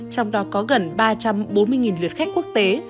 trong đó có gần ba trăm bốn mươi lượt khách quốc tế